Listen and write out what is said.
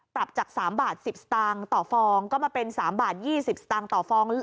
ปรับจาก๓บาท๑๐สตางค์ต่อฟองก็มาเป็น๓บาท๒๐สตางค์ต่อฟอง